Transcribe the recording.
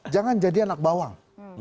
jangan jadi anak bawang